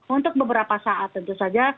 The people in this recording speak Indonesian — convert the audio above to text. untuk beberapa saat tentu saja